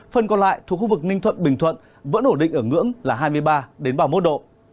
phần còn lại thuộc khu vực ninh thuận bình thuận vẫn ổ định ở ngưỡng là hai mươi ba một mươi một độ